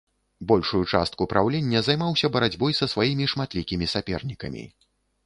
Большую частку праўлення займаўся барацьбой са сваімі шматлікімі сапернікамі.